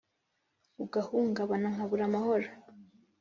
ugahungabana nkabura amahoro.